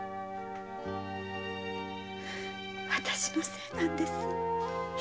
私のせいなのです。